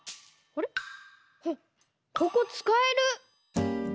おっここつかえる！